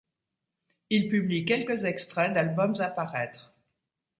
Il publie quelques extraits d’albums à paraître.